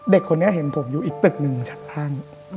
เด็กคนนี้เห็นผมอยู่อีกตึกหนึ่งชั้น